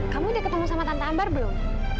kamu udah ketemu sama tante ambar belum